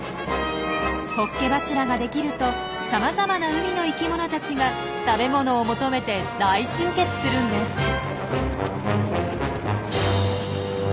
ホッケ柱が出来るとさまざまな海の生きものたちが食べ物を求めて大集結するんです。